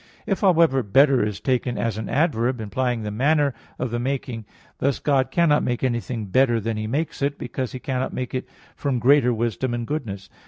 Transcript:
If, however, "better" is taken as an adverb, implying the manner of the making; thus God cannot make anything better than He makes it, because He cannot make it from greater wisdom and goodness.